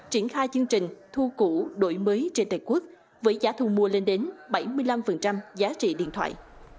triển khai chương trình thu củ đổi mới trên tây quốc với giá thu mua lên đến bảy mươi năm giá trị điện thoại